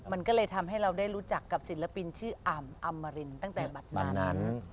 มันก็เลยทำให้เราได้รู้จักกับศิลปินชื่ออ่ำอำมารินตั้งแต่บัตรนั้น